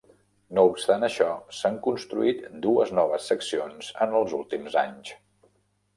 No obstant això, s'han construït dues noves seccions en els últims anys.